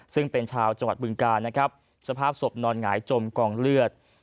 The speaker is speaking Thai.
ซึ่งเป็นชาวจังหวัดบึงกาลนะครับสภาพศพนอนหงายจมกองเลือด